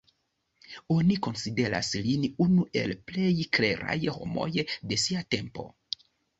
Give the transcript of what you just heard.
Oni konsideras lin unu el plej kleraj homoj de sia tempo.